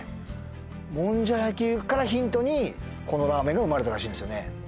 もんじゃ焼きからヒントにこのラーメンが生まれたらしいんですよね